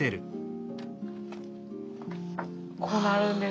こうなるんです。